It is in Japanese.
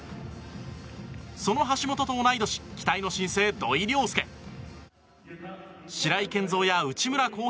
その橋本と同い年期待の新星、土井陵輔。